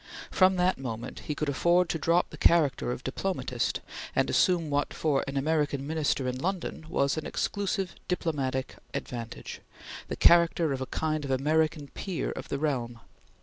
From that moment he could afford to drop the character of diplomatist, and assume what, for an American Minister in London, was an exclusive diplomatic advantage, the character of a kind of American Peer of the Realm.